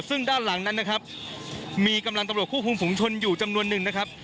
ซึ่งด้านหลังนั้นนะครับมีกำลังตำรวจควบคุมฝุงชนอยู่จำนวนหนึ่งนะครับ